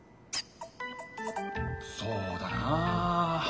そうだな。